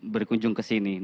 berkunjung ke sini